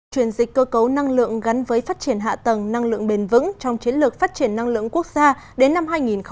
chuyển dịch cơ cấu năng lượng gắn với phát triển hạ tầng năng lượng bền vững trong chiến lược phát triển năng lượng quốc gia đến năm hai nghìn ba mươi